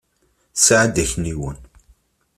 Tesεa-d akniwen.